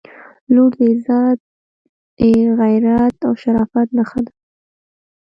• لور د عزت، غیرت او شرافت نښه ده.